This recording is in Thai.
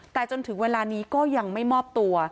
แต่จนถึงเวลานี้ก็ยังไม่มอบตัว